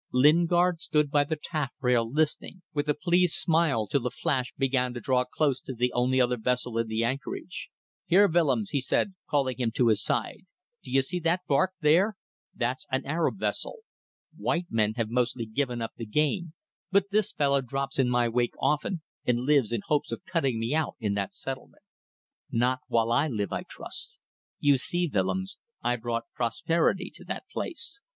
Lingard stood by the taff rail listening, with a pleased smile till the Flash began to draw close to the only other vessel in the anchorage. "Here, Willems," he said, calling him to his side, "d'ye see that barque here? That's an Arab vessel. White men have mostly given up the game, but this fellow drops in my wake often, and lives in hopes of cutting me out in that settlement. Not while I live, I trust. You see, Willems, I brought prosperity to that place.